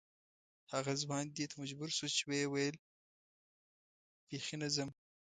هغه ځوان دې ته مجبور شو چې ویې ویل بې خي نه ځم.